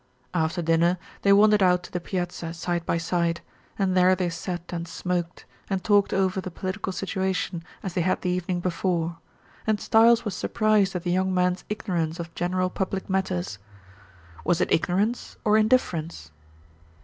After dinner they wandered out to the piazza side by side, and there they sat and smoked, and talked over the political situation as they had the evening before, and Stiles was surprised at the young man's ignorance of general public matters. Was it ignorance, or indifference?